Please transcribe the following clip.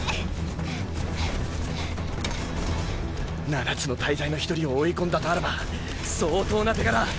七つの大罪の一人を追い込んだとあらば相当な手柄。